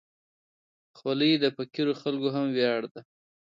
خولۍ د فقیرو خلکو هم ویاړ ده.